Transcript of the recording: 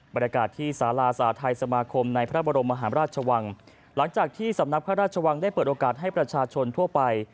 บรรยากาศที่สาราสาธัยสมาคมในพระบรมมหาราชวังหลังจากที่สำนักพระราชวังได้เปิดโอกาสให้ประชาชนทั่วไป